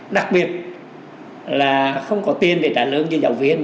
đặc biệt là không có tiền để trả lương cho giáo viên